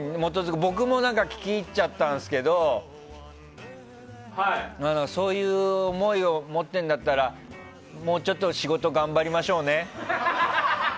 僕も聞き入っちゃったんですけどそういう思いを持ってるんだったらもうちょっと仕事頑張りましょうね。